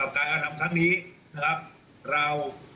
ตามการอาหารทำครั้งนี้เรา